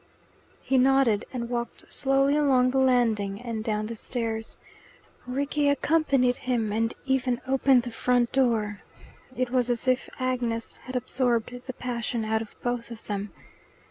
He nodded, and walked slowly along the landing and down the stairs. Rickie accompanied him, and even opened the front door. It was as if Agnes had absorbed the passion out of both of them.